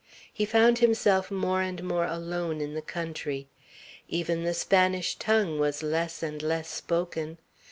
He found himself more and more alone in the country. Even the Spanish tongue was less and less spoken.